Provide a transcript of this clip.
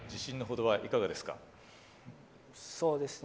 そうですね。